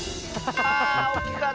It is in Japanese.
ああおっきかった。